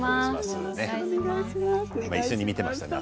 一緒に見ていましたね。